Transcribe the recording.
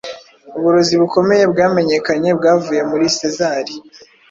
Uburozi bukomeye bwamenyekanye Bwavuye muri Sezari